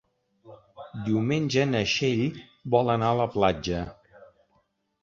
Diumenge na Txell vol anar a la platja.